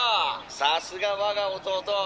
さすが我が弟。